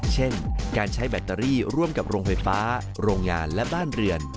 เช่นการใช้แบตเตอรี่ร่วมกับโรงไฟฟ้าโรงงานและบ้านเรือน